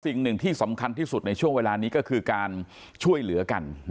สิ่งหนึ่งที่สำคัญที่สุดในช่วงเวลานี้ก็คือการช่วยเหลือกัน